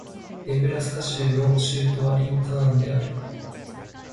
ネブラスカ州の州都はリンカーンである